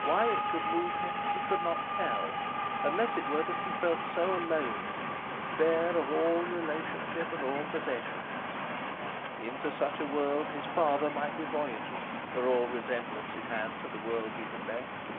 Why it should move him he could not tell, unless it were that he felt so alone in it, bare of all relationship and all possessions. Into such a world his father might be voyaging, for all resemblance it had to the world he had left.